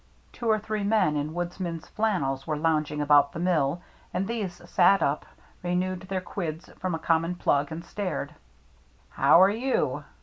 Two or three men in woodman's flannels were lounging about the mill, and these sat up, renewed their quids from a common plug, and stared. " How are you